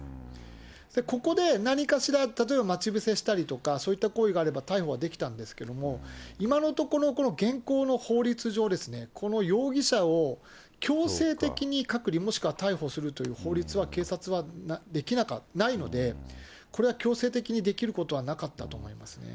ここで何かしら、例えば待ち伏せしたりとか、そういった行為があれば、逮捕はできたんですけれども、今のところ、この現行の法律上、この容疑者を強制的に隔離もしくは逮捕するという法律は、警察はないので、これは強制的にできることはなかったと思いますね。